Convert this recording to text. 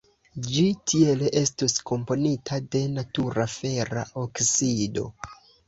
Ĝi tiele estus komponita de natura fera oksido.